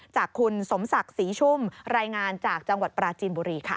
จากคุณสมศักดิ์ศรีชุ่มรายงานจากจังหวัดปราจีนบุรีค่ะ